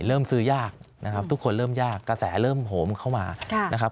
เริ่มซื้อยากนะครับทุกคนเริ่มยากกระแสเริ่มโหมเข้ามานะครับ